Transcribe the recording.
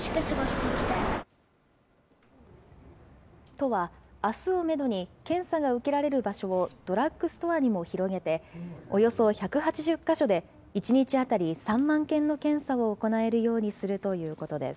都は、あすをメドに、検査が受けられる場所をドラッグストアにも広げて、およそ１８０か所で、１日当たり３万件の検査を行えるようにするということです。